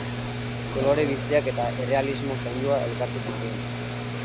Kolore biziak eta errealismo zaindua elkartu zituen.